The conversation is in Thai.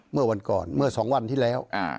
เมื่อวันก่อนเมื่อ๒วันที่แล้ว